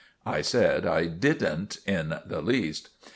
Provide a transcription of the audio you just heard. I said I didn't in the least.